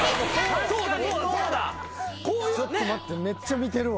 ちょっと待ってめっちゃ見てるわ。